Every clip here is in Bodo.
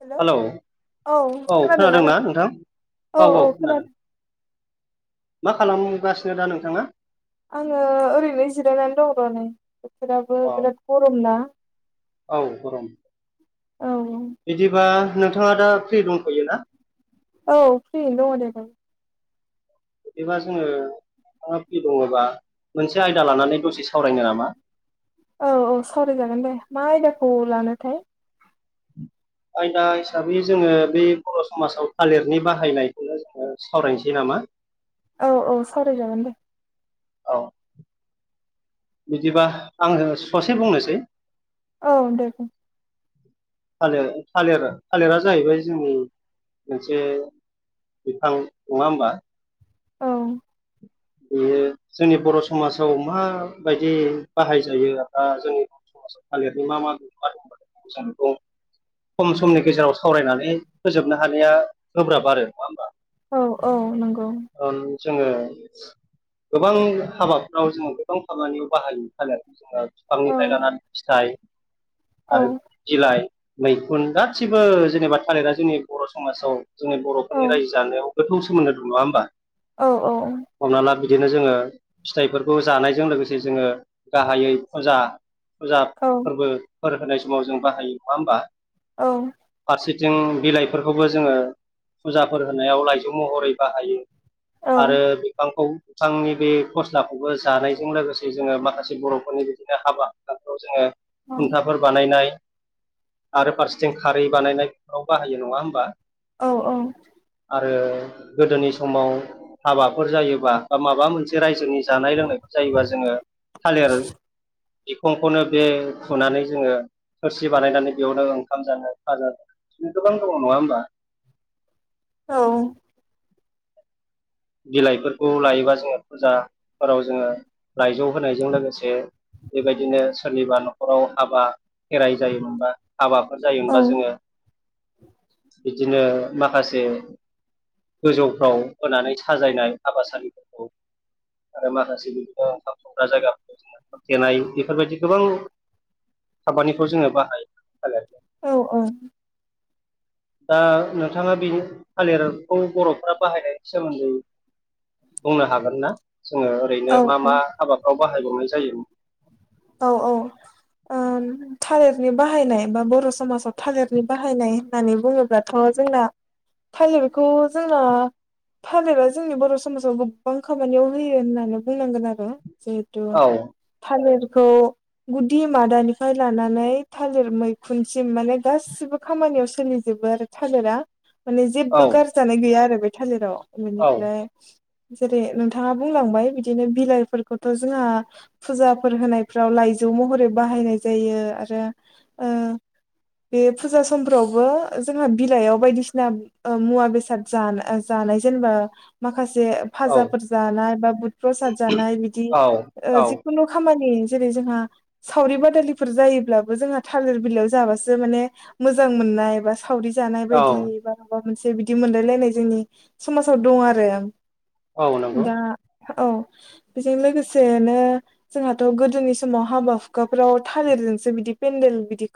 हेल' औ हेलौ औ खोनादों ना नोंथां औ औ खोनादों। मा खालामगासिनो दा नोंथांङा? आङो ओरैनो जिरायनानै दं' नै बोथोराबो अ बिराद गरम ना। औ गरम। औ बिदिबा नोंथाङा दा फ्रि दंथयोना? औ फ्रि दंङ दे बिदिबा जोङो नोंथांङा फ्रि दङबा मोनसे आयदा लानानै दसे सावरायनो नामा? औ औ सावरायजागोन दे मा आयदाखौ लानोथाय? आयदा हिसाबै जोङो बे बर' समाजाव थालिरनि बाहायनायखौनो जों। सावरायनोसै नामा? औ औ सावराय जागोन दे। औ बिदिबा आङो ससे बुंनोसै। औ दे बुं थालिर थालिर थालिरा जाहैबाय जोंनि मोनसे बिफां नङा होमबा औ बेयो जोंनि बर' समाजाव माबायदि बाहायजायो दा जोंनि। थालिरनि मा मा माेनो [unintelligible] खम समनि गेजेराव सावरायनानै फोजोबनो हानाया गोब्राब आरो नङा होमबा? औ औ नंगौ खारन जोङो गोबां हाबाफ्राव जोङो गोबां खामानियाव बाहायो थालिर बिफा औ बिफांनिफ्राय लानानानै फिथाइ। [inaudible] औ आरो बिलाइ मैखुन गासिबो जेनेबा थालिरा जोंनि बर' समाजाव। जोंनि औ बर'फोरनि रायजो जानायाव गोथौ सोमोन्दो दं नङा होमबा? औ हमना ला बिदिनो जोङो फिथाइफोरखौ जानायजों लोगोसे जोङो गाहायै खला। फुजा औ फोरबोफोर होनाय समाव जों बाहायो नङा होमबा? औ फारसेथिं बिलाइफोरखौबो जोङो फुजाफोर होनायाव लाइजौ महरै बाहायो। औ आरो बिफांखौ बिफांनि बे फस्लाखौबो जानायजों लोगोसे जोङो माखासे बर'फोरनि बिदिनो हाबा। फोराव जोङो औ खुन्थाफोर बानायनाय। आरो फारसेथिं खारै बानायनायफोराव बाहायो नङा होमबा? औ औ आरो गोदोनि समाव हाबाफोर जायोबा बा माबा मोनसे रायजोनि जानाय लोंनाय जायोबा जोङो थालिर बिखंखौनो बे फुनानै जोङो थोरसि बानायनानै बेयावनो ओंखाम जानो खाजा जानो बि गोबां दङ नङा होमबा औ बिलाइफोरखौ लायोबा जोङो फुजाफोराव जोङो लाायजौ होनायजों लोगोसे बेबायदिनो सोरनिबा न'खराव हाबा खेराइ जायोमोनबा हाबाफोर जायोमोनबा जोङो बिदिनो माखासे गोजौफ्राव होनानै साजायनाय हाबासाारिफोरखौ आरो माखासे बिदिनो ओंखाम संग्रा जायगाफोरखौ जोङो खोबथेनाय बेफोरबायदि गोबां खामानिखौ जोङो बाहायो थालेर औ औ । दा नोंथाङा बे थालेरखौ बर'फ्रा बाहायनायनि सोमोन्दै बुंनो हागोन ना जोङो ओरैनो औ मा औ मा हाबाफ्राव बाहायबावनाय जायो? औ औ । ओम थालिरनि बाहायनाय बा बर' समाजाव थालिरनि बाहायनाय होननानै बुङोब्लाथ' जोंना थालिरखौ जोङो थालेरा जोंनि बर' समाजाव गोबां खामानियाव होयो होननानै बुंनांगोन आरो जिहेथु औ थालिरखौ गुदि मादानिफ्राय लानानै थालिर मैखुनसिम माने गासिबो खामानियाव सोलिजोबो आरो थालिरा माने औ जेबो गारजानाय गैया आरो बे थाजिराव औ बेनिफ्राय जेरै नोंथाङा बुंलांबाय बिदिनो बिलाइफोरखौथ' जोंहा फुजाफोर होनाय फ्राव लाइजौ महरै बाहायनाय जायो आरो ओ बे फुजा समफ्रावबो जोंहा बिलाइयाव बायदिसिना ओ मुवा बेसाद जान ओ जान जानाय जेनबा मा माखासे औ फाजाफोर जानाय बा बुध प्रसाद जानाय बिदि औ ओ औ जिखुनु खामानि जेरै जोंहा सावरि बादालिफोर जायोब्लाबो जोंहा थालिर बिलाइयाव जाबासो माने मोजां मोन नायबास सावरि जानाय औ बायदि बा माबा मोनसे बिदि मोनलायलायनाय जोंनि समाजाव दं आरो औ नंगौ दा । औ बेजों लोगोसेनो जोंहाथ' गो गोदोनि समाव हाबा हुखाफोराव थालिरजोंसो बिदि पेन्देल बिदि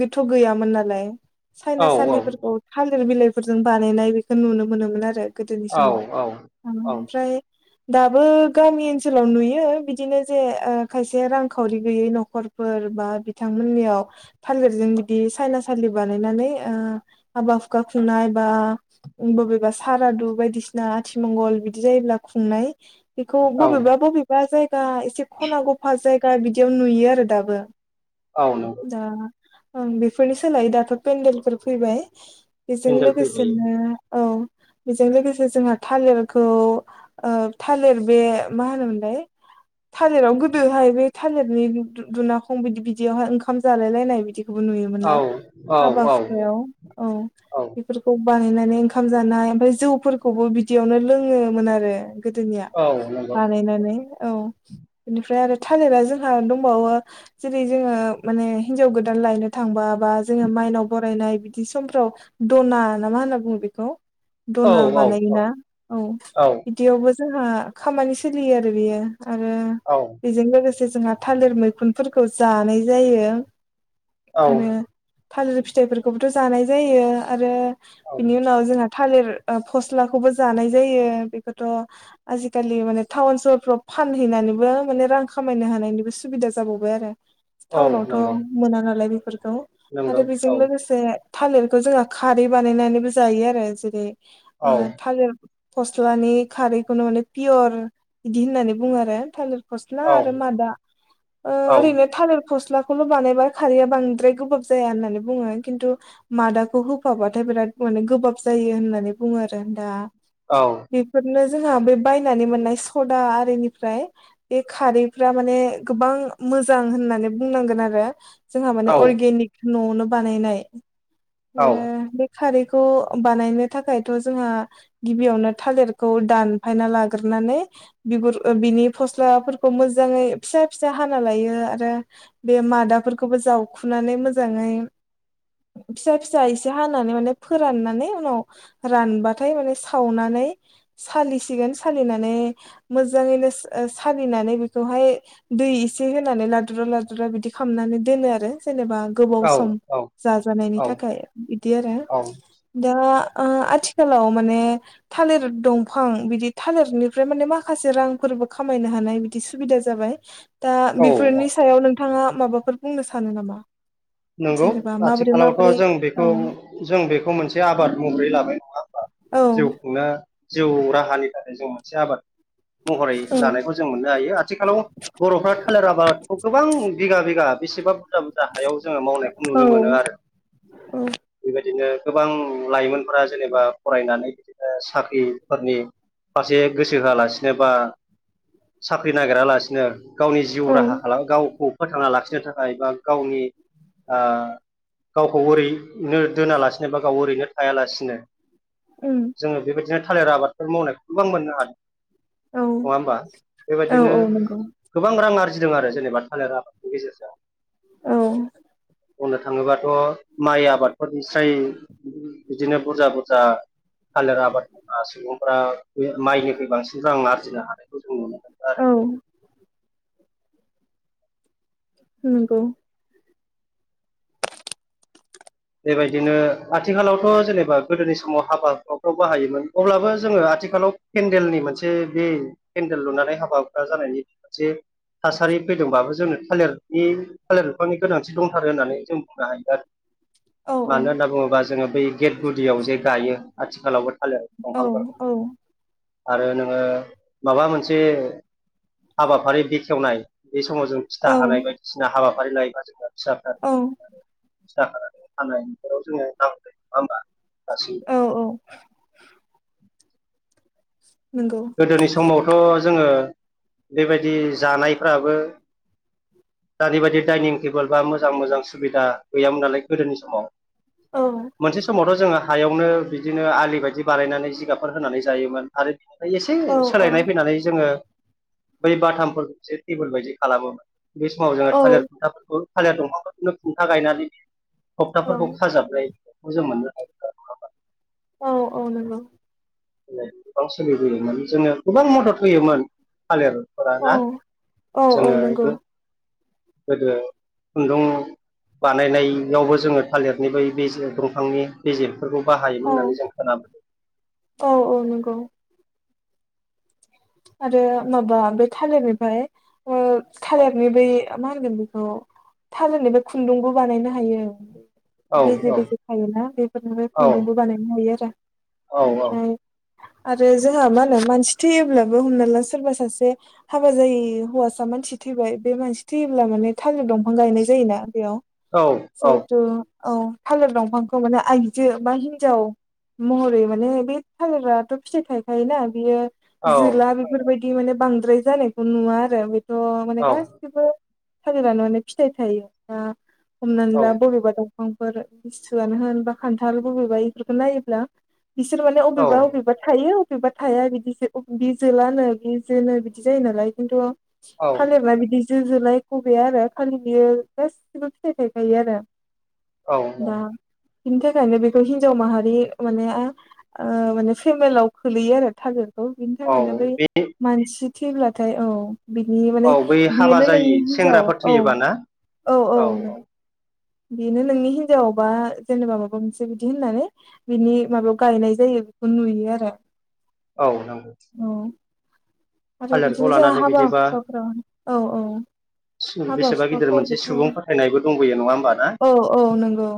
गोथ' गैयामोन नालाय सायना औ औ सालिफोरखौ थालिर बिलाइफोरजों बानायनाय बेखौ नुनो मोनोमोन आरो गोदोनि औ समाव औ औ ओमफ्राय दाबो गामि ओनसोलाव नुयो बिदिनो जे ओ खायसे रांखावरि गैयै न'खरफोर बा बिथांमोननियाव थालिरजों बिदि सायनासालि बानायनानै ओ हाबा हुखा खुंनाय बा बबेबा सारादु बायदिसिना आथिमंगल बिदि जायोब्ला खुंनाय बेखौ औ बबेबा बबेबा जायगा एसे खना गफा जायगा बिदियाव नुयो आरो दाबो औ नंगौ दा बेफोरनि सोलाय दाथ' पेन्देलफोर फैबाय बेजों पेन्देल फैबायो लोगोसेनो औ बेजों लोगोसे जोंहा थालिरखौ ओ थालिर बे मा होनोमोनलाय थालिराव गोदोहाय बे थालिरनि दुनाखं बिदि बिदियावहाय ओंखाम जालाय लायनाय बिदि खौबो नुयोमोन औ ना हाबा औ औ हुखायाव औ औ बेफोरखौ बानायनानै ओंखाम जानाय ओमफ्राय जौफोरखौबो बिदियावनो लोङोमोन आरो गोदोनिया औ नंगौ बानायनानै औ बेनि फ्राय आरो थालिरा जोंहा दंबावो जेरै जोङो माने हिनजाव गोदान लायनो थांबा बा जोङो माइनाव बरायनाय बिदि समफ्राव दना ना मा होनना बुङो बेखौ औ दना औ बानायोना औ बिदियावबो जोंहा खामानि सोलियो आरो बेयो आरो औ बेजों लोगोसे जोंहा थालिर मैखुनफोरखौ जानाय जायो औ आरो थालिर फिथाइफोरखौबोथ' जानाय जायो आरो औ बिनि उनाव जोंहा थालिर ओ फस्लाखौबो जानाय जायो बेखोथ' आजिखालि माने टाउन सहरफ्राव फानहैनानैबो माने रां खामायनो हानायनिबो सुबिदा जाबावबाय आरो औ टाउनावथ' नंगौ मोना नालाय बे खौ नंगौ आरो बेजों औ लोगोसे थालिरखौ जोंहा खारै बानायनानैबो जायो आरो जेरै ओ औ थालेर फस्लानि खारैखौनो माने पियर इदि होननानै बुङो आरो थालिर फस्ला औ आरो मादा ओ औ ओरैनो थालिर फस्लाखौल' बानायबा खारैया बांद्राय गोबाब जाया होननानै बुङो खिन्थु मादाखौ होफाबाथाय बिराद माने गोबाब जायो होननानै बुङो आरो दा बेफोरनो जोंहा बे बायनानै मोननाय सदा आरिनिफ्राय बे खारैफ्रा माने गोबां मोजां होननानै बुंनांगोन आरो। जोंहा औ माने अर्गेनिक न'आवनो बानायनाय। ओ औ बे खारैखौ बानायनो थाखायथ' जोंहा गिबियावनो थालिरखौ दानफायना लाग्रो नानै बिगुर ओ बिनि फस लाफोरखौ मोजाङै फिसा फिसा हाना लायो आरो बे मादाफोरखौबो जावखुनानै मोजाङै फिसा फिसा एसे हानानै माने फोराननानै उनाव रानबाथाय माने सावनानो नै सालिसिगोन सालिनानै मोज्जाङैनोस ओ सालिनानै बेखौहाय दै एसे होनानै लादुरा लादुरा बिदि खामनानै दोनो आरो जेनेबा गोबाव सम जाजानायनि औ थाखाय बिदि आरो औ दा ओ आथिखालाव माने थालिर दंफां बिदि थालिरनिफ्राय माने माखासे रांफोरबो खा खामायनो हानाय बिदि सुबिदा जाबाय दा बेफोरनि औ सायाव नों थाङा माबाफोर बुंनो सानो नामा? नंगौ जेनेबा माबोरै आथिखालावथ' माबोरै जों बेखौ औ जों बेखौ मोनसे आबाद महरै लाबाय नङा होमबा? औ जिउ खुंनो जिउ राहानि थाखाय जों मोनसे आबाद महरै औ लानायखौ जों मोननो हायो आथिखालाव बर'फ्रा थालिर आबादखौ गोबां बिगा बिगा बेसेबा बुरजा बुरजा हायाव जोङो मावनायखौ नुनो औ मोनो आरो बेबायदिनो गोबां लाइमोनफोरा जेनेबा फरायनानै बिदिनो साख्रिफोरनि फारसे गोसो होआलासिनो बा साख्रि नागिरालासिनो गावनि जिउ औ राहा खालाम गावखौ फोथांना लाखिनो थाखाय बा गावनि आह गावखौ ओरैनो दोनालासिनो बा गाव ओरैनो थाया लासिनो उम जोङो बेबायदिनो थालिर आबादफोर मावनायखौ गोबां मोननो हादों। औ नङा होमबा? औ बेबायदिनो औ नंगौ गोबां रां आरजि जिदों आरो जेनेबा थालिर आबादनि गेजेरजों औ बुंनो थाङोबाथ' माइ आबादफोरनिस्राय बिदिनो बुरजा बुरजा थालिर आबाद [unintelligible] सुबुंफोरा बे माइनिख्रुइ बांसिन रां आरजिनो हानायखौ जों नुनो मोनो आरो औ नोंगौ बेबायदिनो आथिखालावथ' जेनेबा गोदोनि समाव हाबाफ्रावफ्राव बाहायोमोन अब्लाबो जोङो आथिखालाव केन्देलनि मोनसे बे केन्देल लुनानै हाबा हुखा जानायनि मोनसे थासारि फैदोंबाबो जोंनो थालेरनि थालेर बिफांनि गोनांथि दंथारो होननानै जों बुंनो हायो आरो। औ औ मानो होनना बुङोबा जोङो बै गेट गुदियाव जे गायो आथिखालावबो थालिर औ दंफांफोर औ आरो नोङो माबा मोनसे हाबाफारि बेखेवनाय बे समाव जों औ फिथा हानाय बायदिसिना हाबाफारि लायोबा जोंङो फिसा [inaudible] फिथा हानाय बेफोराव जोङो [inaudible] नङा होमबा? दासिम औ औ नंगौ गोदोनि समावथ' जोंङो बेबायदि जानायफ्राबो दानि बायदि डाइनिं टेबोल बा मोजां मोजां सुबिदा गैयामोन नालाय गोदोनि समाव औ मोनसे समावथ' जोंङो हायावनो बिदिनो आलि बायदि बानायनानै जिगाबफोर होनानै जायोमोन आरो एसे औ औ सोलायनाय फैनानै जोंङो बै बाथामफोरखौ एसे टेबोल बायदि खालामोमोन बे समाव जोंङो औ थालिर खुन्थाफोरखौ खालिया दंफांफोरखौनो खुन्था गायनानै औ थगटाफोरखौ खाजाबलायो मोननो औ औ नंगौ। गोबां सोलिबोयोमोन जोंङो गोबां मदद होयोमोन ‌।थालिर फोरानना औ औ औ जोंङो नंगौ गोदो खुन्दुं बानायनायावबो जोंङो थालिरनि बा दंफांनि बिजिल फोरखौ बाहायोमोन औ होननानै जों खोनाबोदों औ औ नंगौ आरो माबा बे थालिरनिफ्राय थालिरनि बै ओ मा होनगोन बेखौ थाल होननि बे खुन्दुंबो बानायनो हायो। औ बेजे बेजे थायोना बेफोरनोबो औ खुन्दुंबो बानायनो हायो आरो। औ बेनिफ्राय आरो जोंहा मा होनो मानसि थैयोब्ला हमना ला सोरबा सासे हाबा जायि होवासा मानसि थैबाय बे मानसि थैयोब्ला माने थालिर दंफां गायनाय जायोना बेयाव औ जिहेथु औ थालिर दंफांखौ माने आइजो बा हिनजाव महरै माने बे थालिराथ' फिथाइ थायखायोना बियो औ जोला बेफोरबायदि माने बांद्राय जानायखौ नुवा आरो बेथ' माने औ गासिबो थालिरनो माने फिथाइ थायो बा हमनानै ला बबेबा दं। बिफांफोर बस्थुआनो होन बा खान्थाल बबेबा इफोरखौ नायोब्ला बिसोर माने बबेबा अबेबा थायो अबेबा थाया बिदिसो। बि जोलानो बि जोनो बिदि जायो नालाय खिन्थु औ फानोबा बिदि जोंजुनाय गबेया आरो खालिनि गाससिबो फिथाइ थायखायो आरो औ औ। दा बिनि थाखायनो बेखौ हिन्जाव माहारि माने माने फेमेललाव खोलैयो आरो औ बिनि थाखायनो बै मानसि थैब्लाथाय औ बिनि औ माने बै हाबा बेयोनो जायि नोंनि हिनजाव सेंग्राफोर औ थैयोबा ना औ औ नंगौ बेनो नोंनि हिनजावावबा जेनेबा माबा मोनसे बिदि होननानै बिनि माबायाव गायनाय जायो। आंखौ नुयो आरो। औ नंगौ। औ आरो थालिरखौ बिदिनो जाया लानानै हाबा बिदिबा हुाफोराव औ औ हाबा बेसेबा गिदिर हुखाफ्राव मोनसे बेखौ सुबुं फोथायनायबो दंबावङो नंङा होमबा? ना औ औ नंगौ।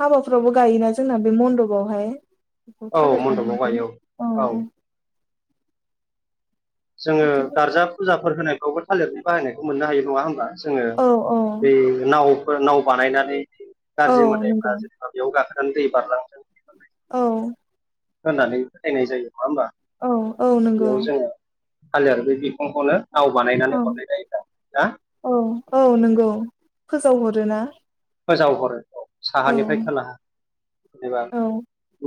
हाबाफ्रावबो गायोना जोंना बे मन्दपआवहाय। औ थिर मन्दपाव लांनांगौ गायो औ औ। जोंङो बिदिनो गार्जा फुजाफोर होनायखौबो थालिरनि बाहायनायखौ मोननो हायो नंङा होमबा? जोंङो औ औ बै नावफोर नाव बानायनानै औ गाज्रि नंगौ मालायफ्रा जेने'बा बेयाव गाखोनो दै बारलांनो औ। होननानै नायनाय जायो। नङा होमबा औ औ नंगौ। खालि आरो बे बि फांखौनो औ औ औ नंगौ फोजावहरोना? फोजावहरो औ साहानिफ्राय खोना जेनेबा औ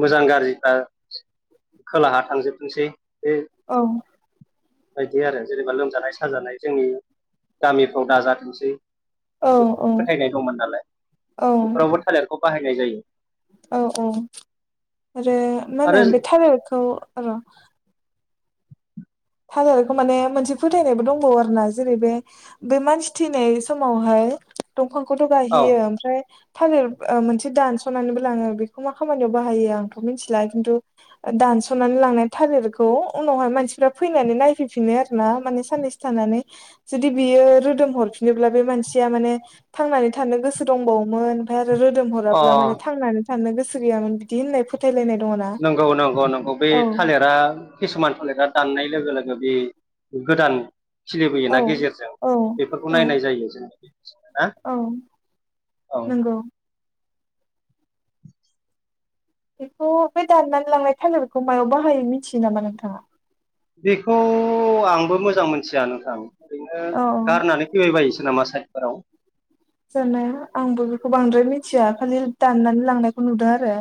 मोजां गा गाज्रि खोलाहा थांजोबथोंसै औ। बायदि आरो जेनेबा लोमजानाय साजानाय जोंनि गामिफ्राव दाजाथोंसै। औ बे औ फोथायनाय दंमोन नालाय बेफोरावबो थालिरखौ बाहायनाय जायो। औ औ आरो मा होनो आरो बे थालिरखौ र' थालेरखौ माने मोनसे फोथायनायबो दंबावो आरो ना जेरै बे बे मानसि थैनाय समावहाय हाय दंफांखौथ' औ गायहैयो ओमफ्राय थालिर ओ मोनसे दानस'नानैबो लाङो बेखौ मा खामानियाव बाहायो आंथ' मिथिला खिन्थु दा नस'नानै लांनाय थालिरखौ उनावहाय मानसिफोरा फैनानै नायफैफिनो आरोना माने साननैसो थानानै जुदि बियो रोदोम हरफिनोब्ला बे मानसि या माने थांनानै थानो गोसो दंबावोमोन ओमफाय रोदोम अ हराब्ला माने थांनानै थानो गोसो गैयामोन बिदि होननाय फोथायलायनाय दङ ना नंगौ नंगौ नंगौ बे औ थालिरा किसुमान थालिरा दाननाय लोगो लोगो बे गोदान खिलिबोयोना औ गेजेरजों औ बेफोरखौ औ नायनाय जायो जों। ना औ औ नोंगौ। बेखौ बे दाननानै लांनाय थालिरखौ मायाव बाहायो मिथियो नामा नोंथाङा? बेखौ आंबो मोजां मोनथिया नोंथां ओरैनो औ औ गारनानै फैबाय बायोसो। नामा साइटफोराव। जानाया आंबो बेखौ बांद्राय मिथिया खालि दाननानै लांनायखौ नुदों आरो।